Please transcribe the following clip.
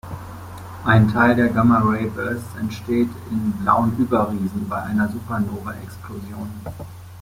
Ein Teil der Gamma Ray Bursts entsteht in Blauen Überriesen bei einer Supernovaexplosion.